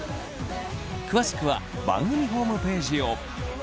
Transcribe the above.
詳しくは番組ホームページを。